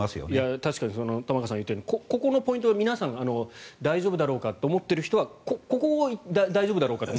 確かに玉川さんが言ったようにここのポイントは皆さん、大丈夫だろうかと思っている人はここを大丈夫だろうかと。